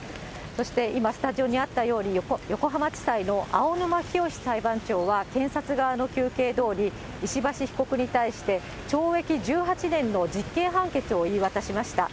そして今、スタジオにあったように、横浜地裁のあおぬまきよし裁判長は、検察側の求刑どおり、石橋被告に対して懲役１８年の実刑判決を言い渡しました。